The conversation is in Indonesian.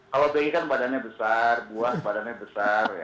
kalau bi kan badannya besar buah badannya besar